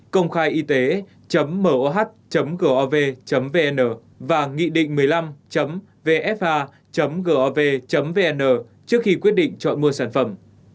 côngkhaiyt moh gov vn và nghị định một mươi năm vfa gov vn trước khi quyết định chọn mua sản phẩm